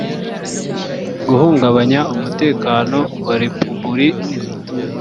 guhungabanya umutekano wa repubuli